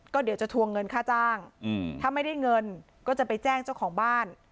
ก็เดี๋ยวจะทวงเงินค่าจ้างถ้าไม่ได้เงินก็จะไปแจ้งเจ้าของบ้าน